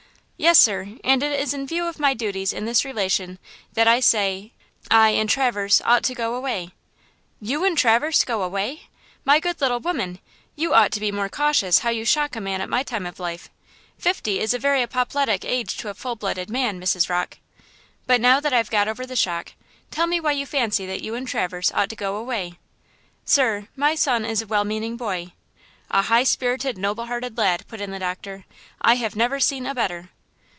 "Yes, sir, and it is in view of my duties in this relation that I say–I and Traverse ought to go away." "You and Traverse go away! My good little woman, you ought to be more cautious how you shock a man at my time of life–fifty is a very apoplectic age to a full blooded man, Mrs. Rocke! But now that I have got over the shock, tell me why you fancy that you and Traverse ought to go away?" "Sir, my son is a well meaning boy–" "A high spirited, noble hearted lad!" put in the doctor. "I have never seen a better!"